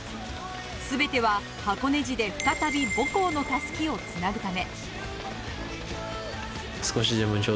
全ては箱根路で再び母校の襷をつなぐため。